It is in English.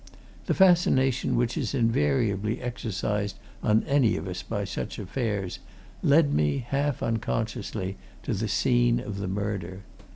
The fascination which is invariably exercised on any of us by such affairs led me, half unconsciously, to the scene of the murder.